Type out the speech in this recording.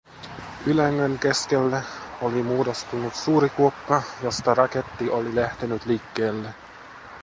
Ylängön keskelle oli muodostunut suuri kuoppa, josta raketti oli lähtenyt liikkeelle.